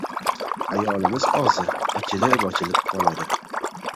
Ayolimiz og‘zi ochilib-ochilib qoladi.